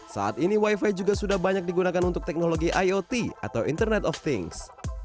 saat ini wifi juga sudah banyak digunakan untuk teknologi iot atau internet of things